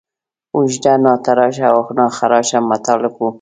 اوږده، ناتراشه او ناخراشه مطالب وو.